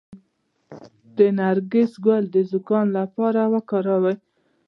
د نرګس ګل د زکام لپاره وکاروئ